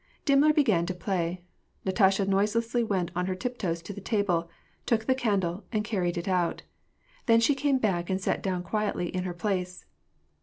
Dimmler began to play. Natasha noiselessly went on her tiptoes to the table, took the candle, and carried it out; then she came back and sat down quietly in her place.